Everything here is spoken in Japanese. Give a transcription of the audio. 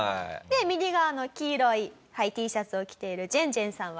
右側の黄色いＴシャツを着ているジェンジェンさんはですね